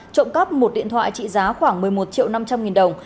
trộm cắp một điện thoại trị giá khoảng một mươi một triệu năm trăm linh nghìn đồng